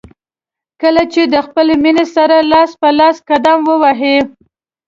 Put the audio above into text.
کله چې د خپلې مینې سره لاس په لاس قدم ووهئ.